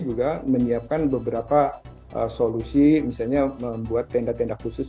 juga menyiapkan beberapa solusi misalnya membuat tenda tenda khusus